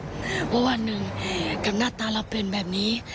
เพราะว่าหนึ่งกับหน้าตาเราเป็นแบบนี้